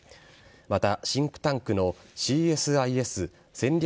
また、シンクタンクのＣＳＩＳ＝戦略